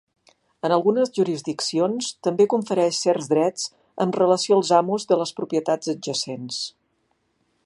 En algunes jurisdiccions, també confereix certs drets amb relació als amos de les propietats adjacents.